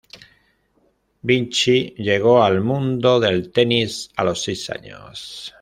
Vinci llegó al mundo del tenis a los seis años.